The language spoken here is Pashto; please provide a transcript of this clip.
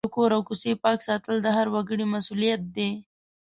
د کور او کوڅې پاک ساتل د هر وګړي مسؤلیت دی.